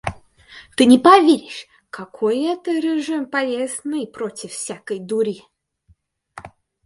Ты не поверишь, какой это режим полезный против всякой дури.